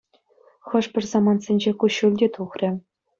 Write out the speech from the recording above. Хӑш-пӗр самантсенче куҫҫуль те тухрӗ.